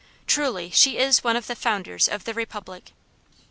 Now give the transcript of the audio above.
Truly she is one of the founders of the Republic.